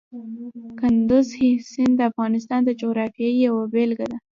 کندز سیند د افغانستان د جغرافیې یوه بېلګه ده.